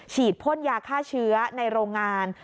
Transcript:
พ่นยาฆ่าเชื้อในโรงงาน